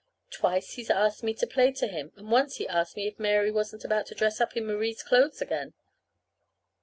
Twice he's asked me to play to him, and once he asked me if Mary wasn't about ready to dress up in Marie's clothes again.